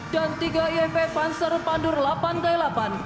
dan tiga yp panzer pandur viii